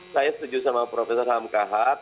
saya setuju sama prof hamka hab